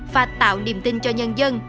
và tạo niềm tin cho nhân dân